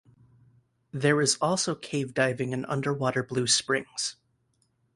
There is also cave diving in underwater Blue Springs.